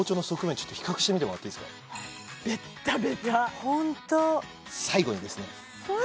ちょっと比較してみてもらっていいですかべったべたホント最後にですね